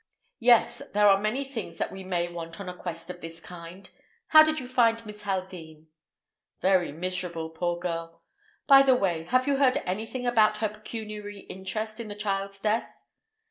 "Yes; there are many things that we may want on a quest of this kind. How did you find Miss Haldean?" "Very miserable, poor girl. By the way, have you heard anything about her pecuniary interest in the child's death?"